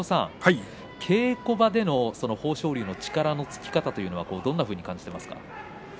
稽古場での豊昇龍の力のつき方というのはどんなふうに感じていますか？